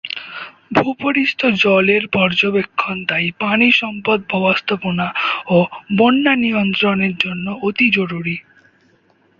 ভূপরিস্থ জলের পর্যবেক্ষণ তাই পানি সম্পদ ব্যবস্থাপনা ও বন্যা নিয়ন্ত্রণের জন্যে অতি জরুরী।